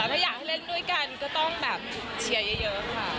ถ้าอยากให้เล่นด้วยกันก็ต้องแบบเชียร์เยอะค่ะ